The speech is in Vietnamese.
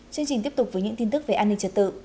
chương trình tiếp tục với những tin tức về an ninh trật tự